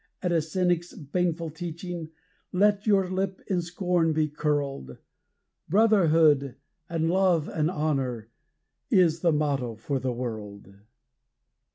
At a cynic's baneful teaching let your lip in scorn be curled! 'Brotherhood and Love and Honour!' is the motto for the world.'